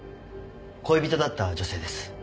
恋人だった女性です。